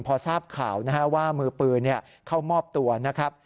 พอทราบข่าวนะฮะว่ามือปืนเข้ามอบตัวนะครับ